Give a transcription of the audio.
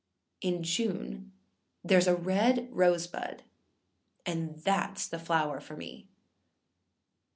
In June thereâs a red rose bud, and thatâs the flower for me!